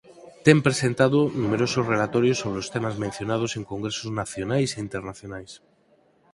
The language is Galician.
Ten presentado numerosos relatorios sobre os temas mencionados en congresos nacionais e internacionais.